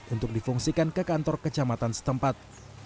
untuk difungsikan ke kantor kecamatan setempat